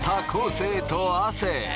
生と亜生。